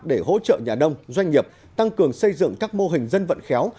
để hỗ trợ nhà nông doanh nghiệp tăng cường xây dựng các mô hình dân vận khéo